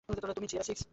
তুমি sierra six.